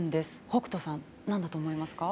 北斗さん、何だと思いますか？